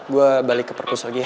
gue balik ke perpus lagi ya